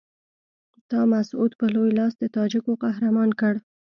تا مسعود په لوی لاس د تاجکو قهرمان کړ.